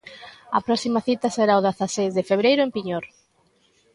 A próxima cita será o dezaseis de febreiro en Piñor.